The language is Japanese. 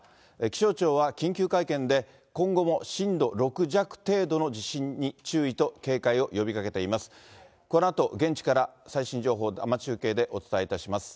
気象庁は緊急会見で、今後も震度６弱程度の地震に注意と警戒を呼びかけています。